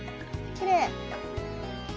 きれい！